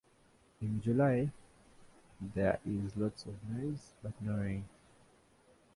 In July, there is lots of noise but no rain.